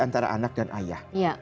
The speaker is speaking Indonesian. antara anak dan ayah